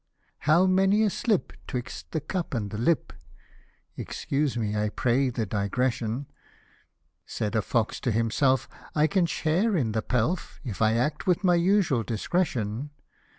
" How many a slip, 'twixt the cup and the lip !" (Excuse me, I pray, the digression.) 88 Said a fox to himself, " I can share in the pelf, If I act with ray usual discretion."